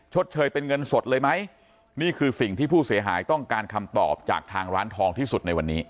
เชยเป็นเงินสดเลยไหมนี่คือสิ่งที่ผู้เสียหายต้องการคำตอบจากทางร้านทองที่สุดในวันนี้